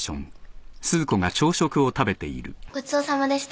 ごちそうさまでした。